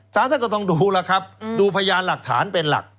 สารท่านก็ต้องดูแล้วครับดูพยานหลักฐานเป็นหลัก